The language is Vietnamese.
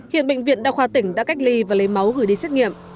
hiện bệnh viện đa khoa tỉnh đã cách ly và lấy máu gửi đi xét nghiệm